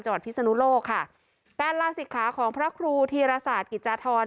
จังหวัดพิสนุโลกค่ะแป้นลาศิกษาของพระครูทีรศาสตร์กิจฐอน